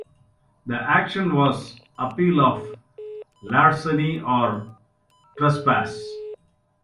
The action was appeal of larceny or trespass.